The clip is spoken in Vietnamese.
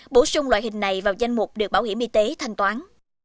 bổ sung loại hình này vào danh mục được bảo hiểm y tế thanh toán